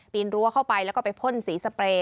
รั้วเข้าไปแล้วก็ไปพ่นสีสเปรย์